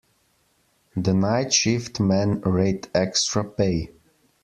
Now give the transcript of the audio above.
The night shift men rate extra pay.